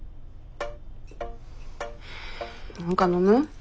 何か飲む？